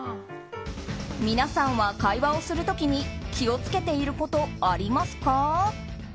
皆さんは会話をする時に気を付けていることありますか？